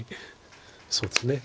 そうですね。